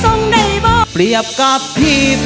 ร้องได้ให้ร้าน